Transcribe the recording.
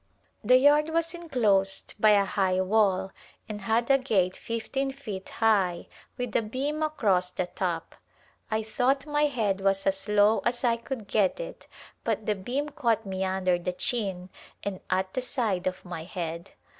The yard was enclosed by a high wall and had a gate fifteen feet high with a beam across the top. I thought my head was as low as I could get it but the beam caught me under the chin and at the side of my head.